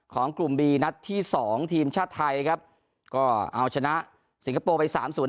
ของกลุ่มบีนัดที่สองทีมชาติไทยครับก็เอาชนะสิงคโปร์ไปสามศูน